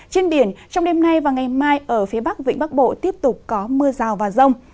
trên biển trong đêm nay và ngày mai ở phía bắc vĩnh bắc bộ tiếp tục có mưa rào và rông